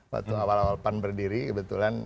waktu awal awal pan berdiri kebetulan